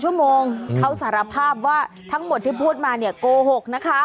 ชั่วโมงเขาสารภาพว่าทั้งหมดที่พูดมาเนี่ยโกหกนะคะ